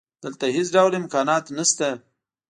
دلته هېڅ ډول امکانات نشته